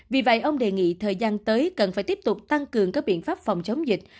vì vậy ông đề nghị thời gian tới cần phải tiếp tục tăng cường các biện pháp phòng chống dịch